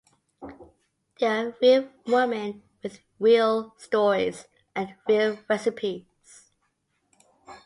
They are real women with real stories and real recipes.